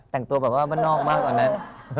แต่งตัวบ้านนอกมากตอนนั้น